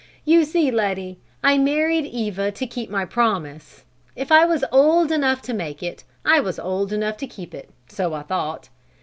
"You see, Letty, I married Eva to keep my promise. If I was old enough to make it, I was old enough to keep it, so I thought.